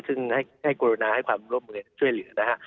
ซึ่งให้กรุณาให้ความร่วมมือช่วยเหลือนะฮะ